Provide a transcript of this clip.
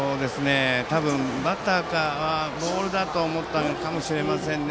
多分バッターはボールだと思ったかもしれませんね。